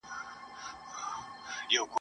لکه خُم ته د رنګرېز چي وي لوېدلی ..